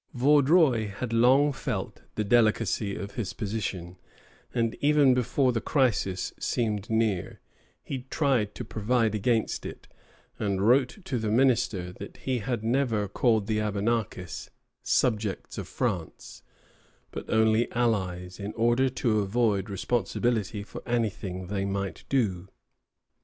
Vaudreuil had long felt the delicacy of his position, and even before the crisis seemed near he tried to provide against it, and wrote to the minister that he had never called the Abenakis subjects of France, but only allies, in order to avoid responsibility for anything they might do.